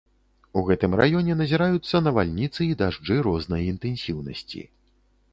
У гэтым раёне назіраюцца навальніцы і дажджы рознай інтэнсіўнасці.